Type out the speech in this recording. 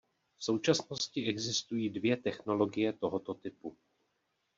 V současnosti existují dvě technologie tohoto typu.